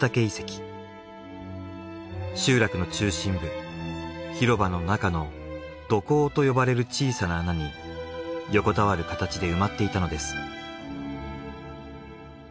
集落の中心部広場の中の土坑と呼ばれる小さな穴に横たわる形で埋まっていたのです。